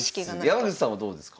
山口さんはどうですか？